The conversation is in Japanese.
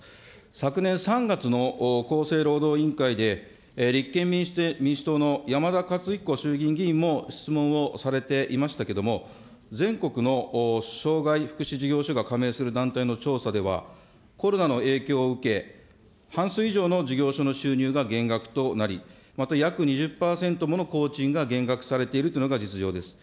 昨年３月の厚生労働委員会で、立憲民主党のやまだかつひこ衆議院議員も質問をされていましたけれども、全国の障害福祉事業所が加盟する団体の調査では、コロナの影響を受け、半数以上の事業所の収入が減額となり、また約２０％もの工賃が減額されているというのが実情です。